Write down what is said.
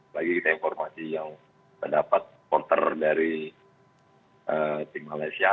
bagi kita informasi yang mendapat supporter dari tim malaysia